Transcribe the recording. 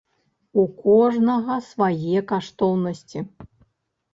У кожнага свае каштоўнасці.